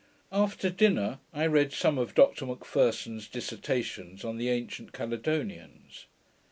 After dinner I read some of Dr Macpherson's Dissertations on the Ancient Caledonians.